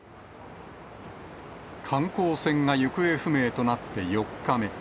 観光船が行方不明となって４日目。